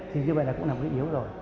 thì như vậy là cũng là một cái yếu rồi